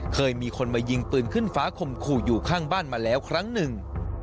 เคยมีคนมายิงปืนขึ้นฟ้าข่มขู่อยู่ข้างบ้านมาแล้วครั้งหนึ่ง